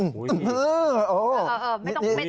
กลับบ้าน